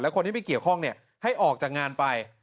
คนที่ไม่เกี่ยวข้องให้ออกจากงานไป